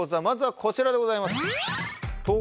まずはこちらでございます。